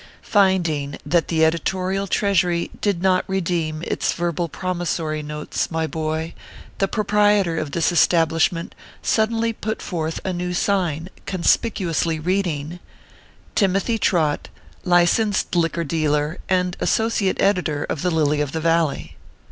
Finding that the editorial treasury did not redeem its verbal promissory notes, my boy, the proprietor of this establishment suddenly put forth a new sign, conspicuously reading : TIMOTHY TROT, LICENSED LIQUOR DE&LSH, |$ AND & ASSOCIATE EDITOR OF THE " LILY OF THE VALLEY."